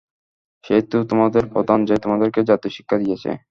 সে-ই তো তোমাদের প্রধান, যে তোমাদেরকে জাদু শিক্ষা দিয়েছে।